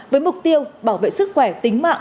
với mục tiêu bảo vệ sức khỏe tính mạng